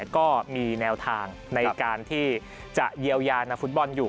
ก็มีแนวทางในการที่จะเยียวยานักฟุตบอลอยู่